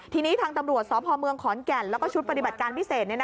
ทีนี้ทางตำรวจสพเมืองขอนแก่นแล้วก็ชุดปฏิบัติการพิเศษ